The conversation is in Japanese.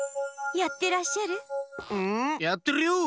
やってるよう！